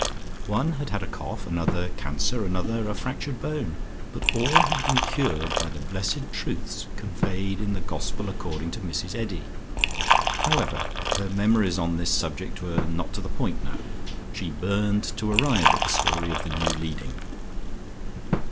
One had had a cough, another cancer, another a fractured bone, but all had been cured by the blessed truths conveyed in the Gospel according to Mrs Eddy. However, her memories on this subject were not to the point now; she burned to arrive at the story of the new leading.